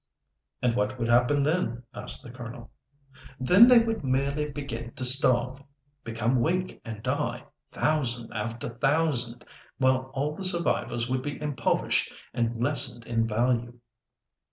"And what would happen then?" asked the Colonel. "Then they would merely begin to starve—become weak and die—thousand after thousand, while all the survivors would be impoverished and lessened in value."